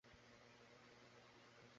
তুই ফেরায় ভালো লাগছে।